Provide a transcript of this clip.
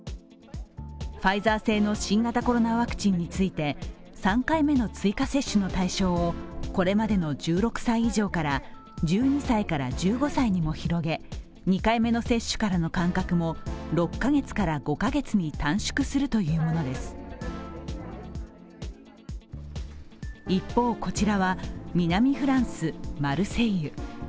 ファイザー製の新型コロナワクチンについて３回目の追加接種の対象をこれまでの１６歳以上から１２歳から１５歳にも広げ２回目の接種からの間隔も６カ月から５カ月に短縮するというものです一方、こちらは南フランス、マルセイユ。